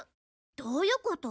どういうこと？